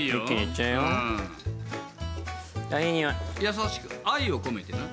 優しく愛を込めてな。